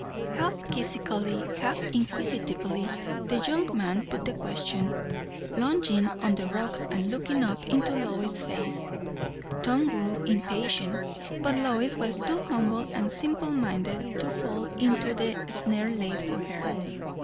Half quizzically, half inquisitively, the young man put the question, lounging on the rocks and looking up into Lois's face. Tom grew impatient. But Lois was too humble and simple minded to fall into the snare laid for her.